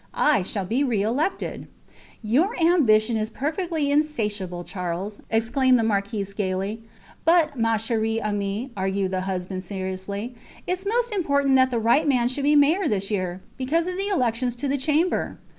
I shall be re elected. Your ambition is perfectly insatiable, Charles, exclaimed the marquise, gaily. But, ma chere amie, argued the husband, seriously, its most important that the right man should be mayor this year, because of the elections to the Chamber.